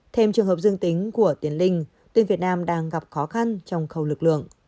thêm trường hợp dương tính của tiến linh tên việt nam đang gặp khó khăn trong khâu lực lượng